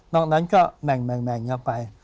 นอกนั้นก็แบ่งไป